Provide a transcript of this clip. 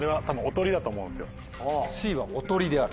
Ｃはおとりである？